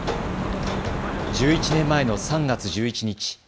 １１年前の３月１１日。